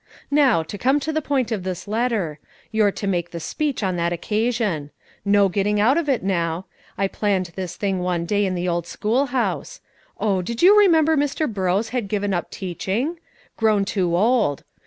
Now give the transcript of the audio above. Now, to come to the point of this letter, you're to make the speech on that occasion. No getting out of it now! I planned this thing one day in the old schoolhouse. Oh, did you know Mr. Burrows had given up teaching? Grown too old.